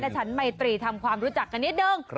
กระชานไมตรีทำความรู้จักกันนิดเดิม